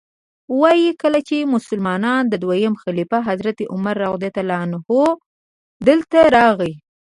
وایي کله چې د مسلمانانو دویم خلیفه حضرت عمر رضی الله عنه دلته راغی.